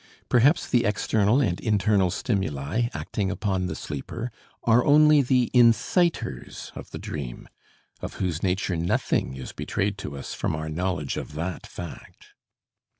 Perhaps the external and internal stimuli, acting upon the sleeper, are only the incitors of the dream, of whose nature nothing is betrayed to us from our knowledge of that fact.